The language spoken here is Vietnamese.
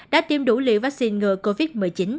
đã tiêm đủ liều vaccine ngừa covid một mươi chín